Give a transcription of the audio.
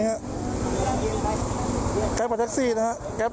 ลุงเหมาลุงเหมาน์ละครับ